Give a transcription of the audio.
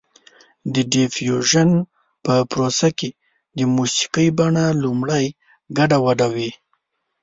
د ډیفیوژن په پروسه کې د موسیقۍ بڼه لومړی ګډه وډه وي